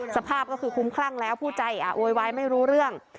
สภาพก็คือคุ้มคลั่งแล้วผู้ใจโวยวายไม่รู้เรื่อง